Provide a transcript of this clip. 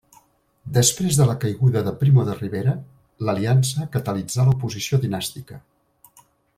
Després de la caiguda de Primo de Rivera, l'Aliança catalitzà l'oposició dinàstica.